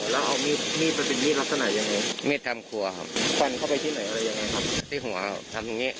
แล้วเอามีดเป็นมีดลักษณะยังไงมีดทำครัวครับฟันเข้าไปที่ไหนอะไรยังไงครับ